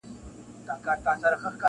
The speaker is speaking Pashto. د حیرت ګوته په غاښ ورته حیران وه -